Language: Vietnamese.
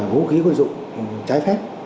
vũ khí quân dụng trái phép